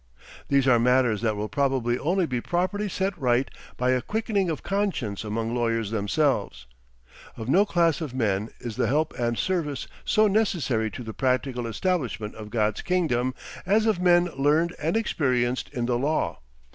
These are matters that will probably only be properly set right by a quickening of conscience among lawyers themselves. Of no class of men is the help and service so necessary to the practical establishment of God's kingdom, as of men learned and experienced in the law.